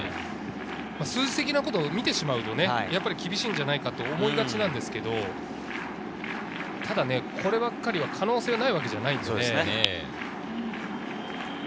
数字的なことを見てしまうと厳しいんじゃないかと思いがちですけれど、こればっかりは可能性がないわけじゃないです。